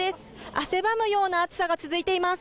汗ばむような暑さが続いています。